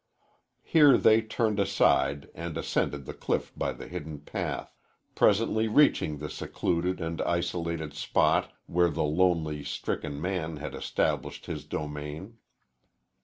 Here they turned aside and ascended the cliff by the hidden path, presently reaching the secluded and isolated spot where the lonely, stricken man had established his domain.